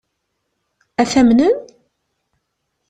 Ad t-amnen?